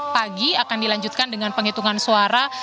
pagi akan dilanjutkan dengan penghitungan suara